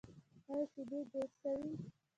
ایا شیدې جوشوئ؟